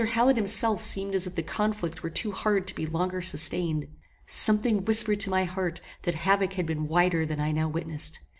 Hallet himself seemed as if the conflict were too hard to be longer sustained. Something whispered to my heart that havoc had been wider than I now witnessed.